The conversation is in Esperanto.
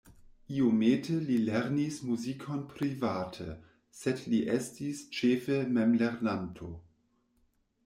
Iomete li lernis muzikon private, sed li estis ĉefe memlernanto.